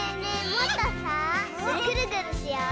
もっとさぐるぐるしよう。